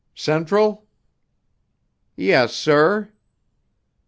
"Central?" "Yes, sir."